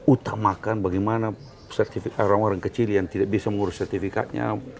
utamakan bagaimana sertifikat orang orang kecil yang tidak bisa mengurus sertifikatnya